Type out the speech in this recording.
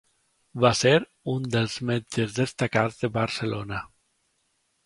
Va ser un dels metges destacats de Barcelona.